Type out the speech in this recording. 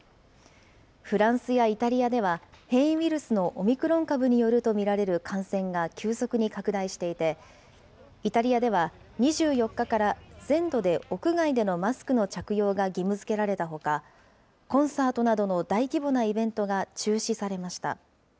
フランスやイタリアでは、変異ウイルスのオミクロン株によると見られる感染が急速に拡大していて、イタリアでは、２４日から全土で屋外でのマスクの着用が義務づけられたほか、コンサートなどの大規模なイベントが中止されました。